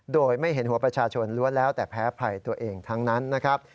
โดยไม่เห็นหัวประชาชนล้วนแล้วแต่แพ้ภัยตัวเองทั้งนั้นนะครับ